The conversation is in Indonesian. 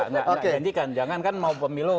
nggak janjikan jangan kan mau pemilu